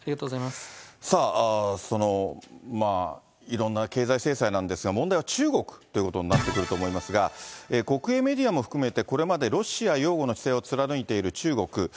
さあ、そのいろんな経済制裁なんですが、問題は中国ということになってくると思いますが、国営メディアも含めて、これまでロシア擁護の姿勢を貫いている中国。